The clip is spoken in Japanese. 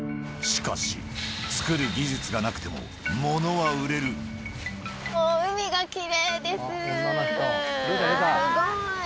しかし、作る技術がなくても、もう海がきれいですぅ。